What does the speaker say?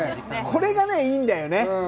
これがいいんだよね。